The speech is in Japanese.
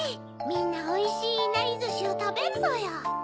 みんなおいしいいなりずしをたべるぞよ。